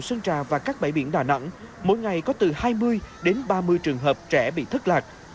sơn trà và các bãi biển đà nẵng mỗi ngày có từ hai mươi đến ba mươi trường hợp trẻ bị thất lạc